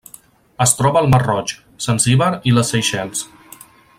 Es troba al Mar Roig, Zanzíbar i les Seychelles.